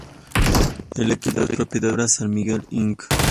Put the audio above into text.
El equipo es propiedad de Ginebra San Miguel, Inc.